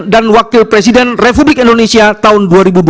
dan wakil presiden republik indonesia tahun dua ribu dua puluh empat